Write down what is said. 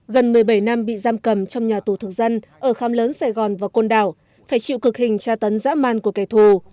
gần một mươi bảy năm bị giam cầm trong nhà tù thực dân ở kham lớn sài gòn và côn đảo phải chịu cực hình tra tấn dã man của kẻ thù